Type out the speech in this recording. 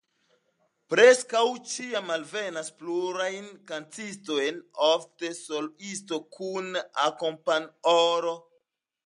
Preskaŭ ĉiam alvenas pluraj kantistoj, ofte soloisto kun akompanĥoro.